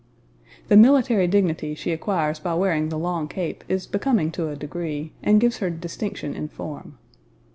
42 AND 43] The military dignity she acquires by wearing the long cape is becoming to a degree, and gives her distinction in form.